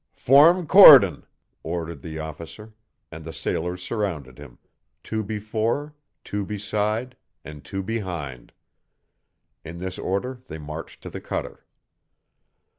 "Form cordon!" ordered the officer, and the sailors surrounded him two before, two beside, and two behind. In this order they marched to the cutter.